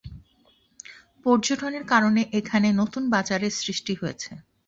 পর্যটনের কারণে এখানে নতুন বাজারের সৃষ্টি হয়েছে।